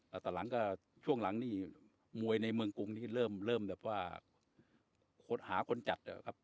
แล้วตอนหลังก็ช่วงหลังนี่มวยในเมืองกรุงนี่เริ่มเริ่มแบบว่าค้นหาคนจัดอ่ะครับ